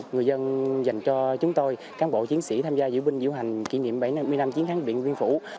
người dân dành cho chúng tôi cán bộ chiến sĩ tham gia diễu binh diễu hành kỷ niệm bảy mươi năm chiến thắng điện biên phủ